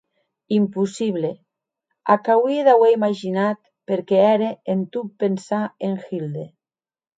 Impossible, ac auie d'auer imaginat perque ère en tot pensar en Hilde.